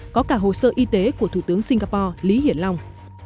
có cả hồ sơ y tế của thủ tướng singapore lý hiển long